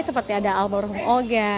seperti ada almarhum oga